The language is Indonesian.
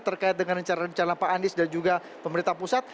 terkait dengan rencana rencana pak anies dan juga pemerintah pusat